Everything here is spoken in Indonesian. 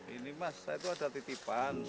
ini mas saya itu ada titipan